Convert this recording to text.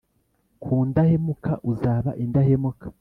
Ku ndahemuka uzaba indahemuka